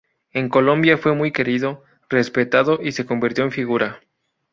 En Colombia fue muy querido, respetado y se convirtió en figura.